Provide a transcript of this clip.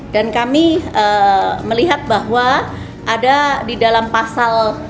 dan kami melihat bahwa ada di dalam pasal